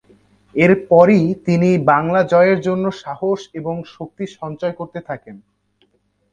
এর পরই তিনি বাংলা জয়ের জন্য সাহস এবং শক্তি সঞ্চয় করতে থাকেন।